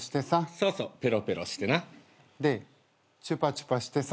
そうそうペロペロしてな。でチュパチュパしてさ。